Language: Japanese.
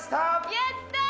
やったー！